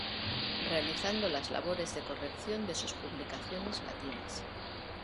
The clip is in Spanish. Realizando las labores de corrección de sus publicaciones latinas.